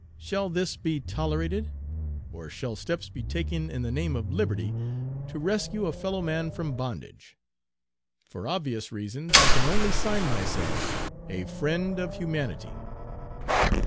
Shall this be tolerated? Or shall steps be taken in the name of liberty to rescue a fellow man from bondage? For obvious reasons I can only sign myself, A FRIEND OF HUMANITY.